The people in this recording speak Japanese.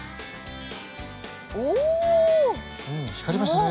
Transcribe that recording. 光りましたね。